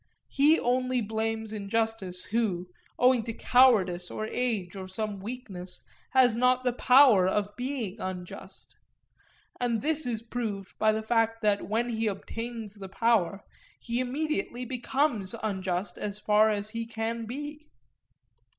He only blames injustice who, owing to cowardice or age or some weakness, has not the power of being unjust. And this is proved by the fact that when he obtains the power, he immediately becomes unjust as far as he can be.